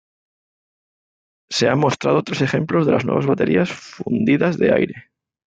Se han mostrado tres ejemplos de las nuevas baterías fundidas de aire.